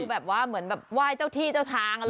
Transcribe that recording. ดูแบบว่าเหมือนไหว้เจ้าที่เจ้าทางอะไรอย่างนั้น